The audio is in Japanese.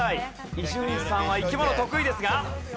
伊集院さんは生き物得意ですが。